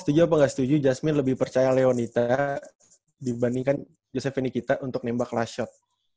setuju atau enggak setuju jasmine lebih percaya leonita dibandingkan josephine nikita untuk nembak last shot